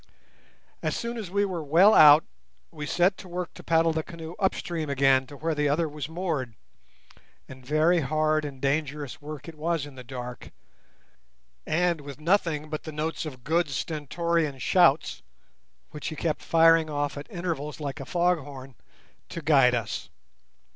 As soon as we were well out, we set to work to paddle the canoe upstream again to where the other was moored; and very hard and dangerous work it was in the dark, and with nothing but the notes of Good's stentorian shouts, which he kept firing off at intervals like a fog horn, to guide us.